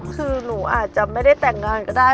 คือหนูอาจจะไม่ได้แต่งงานก็ได้